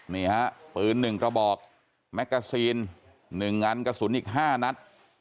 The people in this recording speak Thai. นี่ฮะปืน๑กระบอกแมกกาซีน๑งันกระสุนอีก๕นัด